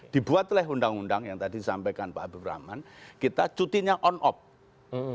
dibuat oleh undang undang yang tadi disampaikan pak habib rahman kita cutinya on off